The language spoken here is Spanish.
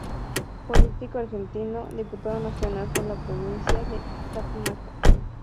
Político argentino, Diputado Nacional por la provincia de Catamarca.